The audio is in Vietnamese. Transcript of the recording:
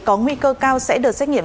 có nguy cơ cao sẽ được xét nghiệm